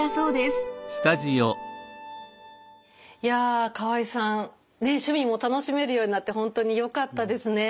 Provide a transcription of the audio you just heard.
いや河合さん趣味も楽しめるようになって本当によかったですね。